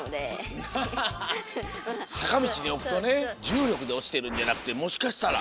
さかみちにおくとねじゅうりょくでおちてるんじゃなくてもしかしたら。